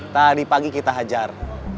tadi pagi kita hajar